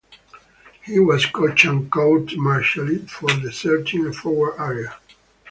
He was caught and court-martialled for deserting a forward area.